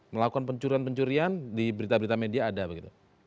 melakukan pencurian pencurian di berita berita media ada begitu